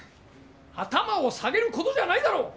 頭を下げる事じゃないだろう！